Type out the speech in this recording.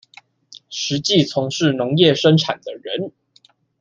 實際從事農業生產的人